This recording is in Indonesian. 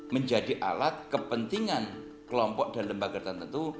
menjadi alat kepentingan kelompok dan lembaga tertentu